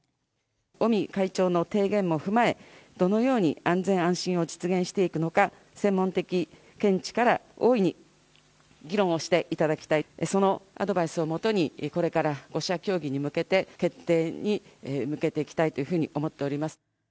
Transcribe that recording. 尾身会長の提言も踏まえ、どのように安全安心を実現していくのか、専門的見地から、おおいに議論をしていただきたい、そのアドバイスをもとに、これから５者協議に向けて、決定に向けていきたいと思っております。